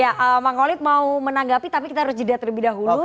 ya mak kolit mau menanggapi tapi kita harus jelajah terlebih dahulu